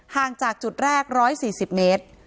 ห่างจากจุดแรก๑๔๐เมตร